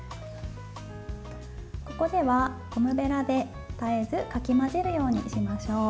ここでは、ゴムべらで絶えずかき混ぜるようにしましょう。